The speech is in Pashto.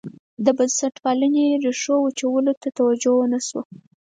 د بنسټپالنې ریښو وچولو ته توجه ونه شوه.